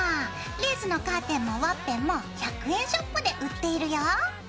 レースのカーテンもワッペンも１００円ショップで売っているよ。